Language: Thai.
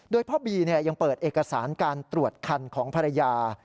โดยพ่อบียังเปิดเอกสารการตรวจคันของภรรยา